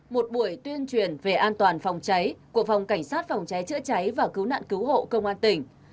một buổi tuyên truyền về an toàn phòng cháy của phòng cảnh sát phòng cháy chữa cháy và cứu nạn cứu hộ công an tỉnh